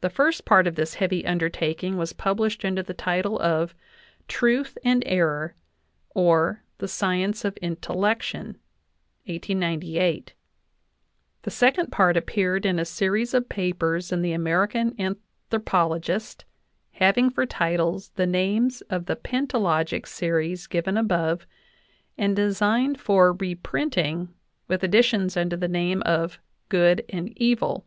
The first part of this heavy undertaking was published under the title of "Truth and Error; or, the science of intellection" (1898) ; the second part appeared in a series of papers in the American An thropologist, having for titles the names of the pentalogic scries given above, and designed for reprinting with additions under the name of "Good and Evil."